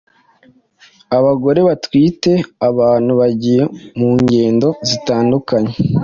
Abagore batwite, abantu bagiye mu ngendo zitandukanye